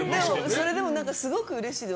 それでもすごくうれしくて。